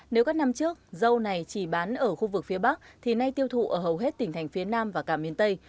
nếu các năm trước dâu này chỉ bán ở khu vực phía bắc thì nay tiêu thụ ở hầu hết tỉnh thành phía nam và cả miền tây